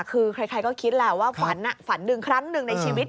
คือใครก็คิดแหละว่าฝันฝันหนึ่งครั้งหนึ่งในชีวิต